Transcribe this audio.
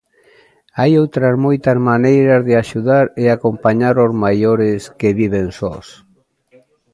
Hai outras moitas maneiras de axudar e acompañar os maiores que viven sós.